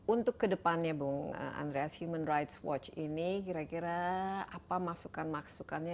untuk kedepannya bung andreas human rights watch ini kira kira apa masukan masukannya